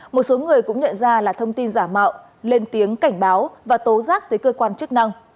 một số người cũng nhận ra là thông tin giả mạo lên tiếng cảnh báo và tố giác tới cơ quan chức năng